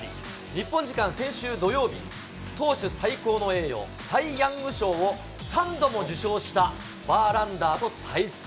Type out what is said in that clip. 日本時間先週土曜日、投手最高の栄誉、サイ・ヤング賞を３度も受賞した、バーランダーと対戦。